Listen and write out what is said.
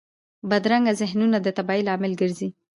بدرنګه ذهنونه د تباهۍ لامل ګرځي